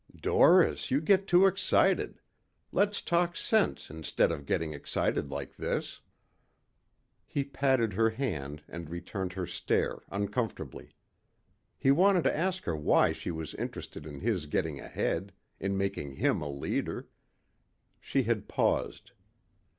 "Doris, you get too excited. Let's talk sense instead of getting excited like this." He patted her hand and returned her stare uncomfortably. He wanted to ask her why she was interested in his getting ahead, in making him a leader. She had paused.